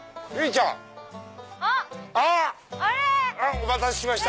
お待たせしました。